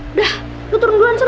udah lo turun dulu ansur